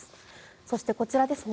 そして、こちらですね。